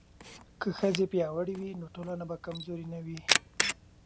که ښځې پیاوړې وي نو ټولنه به کمزورې نه وي.